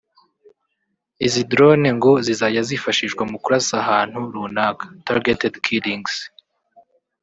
Izi Drones ngo zizajya zifashishwa mu kurasa ahantu runaka(targeted killings)